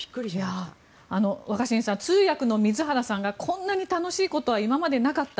若新さん通訳の水原さんがこんなに楽しいことは今までなかった。